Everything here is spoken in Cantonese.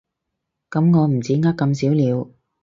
噉我唔止呃咁少了